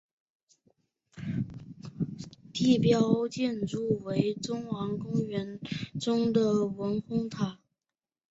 地标建筑为东皋公园中的文峰塔。